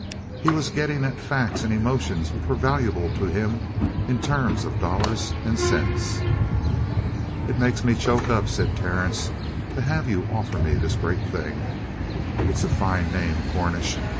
He was getting at facts and emotions which were valuable to him in the terms of dollars and cents. "It makes me choke up," said Terence, "to have you offer me this great thing. It's a fine name, Cornish.